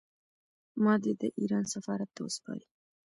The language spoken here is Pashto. ما دې د ایران سفارت ته وسپاري.